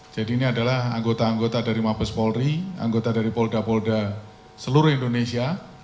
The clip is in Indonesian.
jadi ini adalah anggota anggota dari mapes polri anggota dari polda polda seluruh indonesia